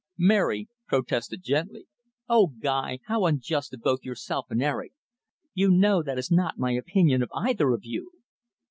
Mary protested gently. "Oh, Guy, how unjust of both yourself and Eric. You know that is not my opinion of either of you."